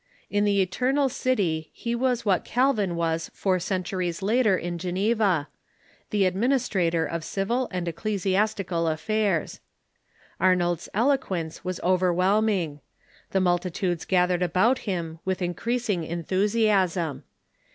In the Eternal City he was what Calvin was four centuries later in Geneva — the " administrator of civil and ec clesiastical affairs." Arnold's eloquence was overwhelming. The multitudes gathered about him with increasing enthusi asm.